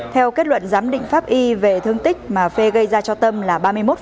theo kết luận giám định pháp y về thương tích mà phê gây ra cho tâm là ba mươi một